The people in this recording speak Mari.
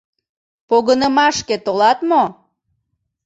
Погынымашке толат мо?